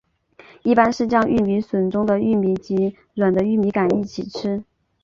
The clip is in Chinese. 一般是将玉米笋中的玉米及软的玉米秆一起吃。